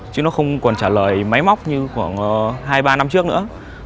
chứ nó không còn trả lời máy móc như khoảng hai ba năm trước nữa